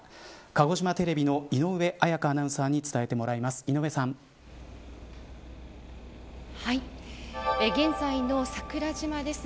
鹿児島テレビの井上彩香アナウンサーに伝えてもらいます。